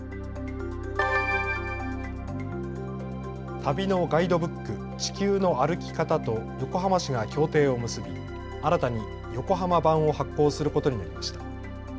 旅のガイドブック、地球の歩き方と横浜市が協定を結び新たに横浜版を発行することになりました。